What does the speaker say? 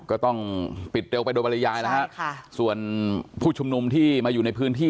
ก็ต้องปิดเร็วไปโดยบรรยายแล้วฮะค่ะส่วนผู้ชุมนุมที่มาอยู่ในพื้นที่